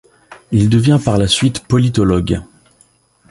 Il devient par la suite politologue.